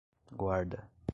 guarda